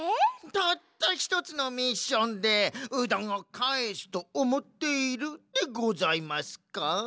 たったひとつのミッションでうどんをかえすとおもっているでございますか？